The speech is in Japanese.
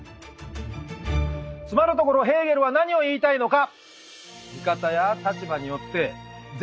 つまるところヘーゲルは何を言いたいのか？